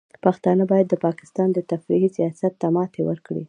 پښتانه باید د پاکستان د تفرقې سیاست ته ماتې ورکړي.